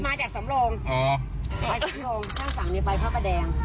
ไปสำโรงข้างผ่างนี้ไปพระประแดง